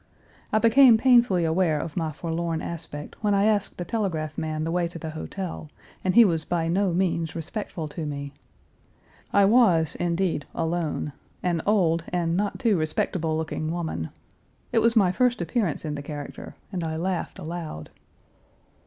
I became painfully aware of my forlorn aspect when I asked the telegraph man the way to the hotel, and he was by no means respectful to me. I was, indeed, alone an old and not too respectable looking woman. It was my first appearance in the character, and I laughed aloud.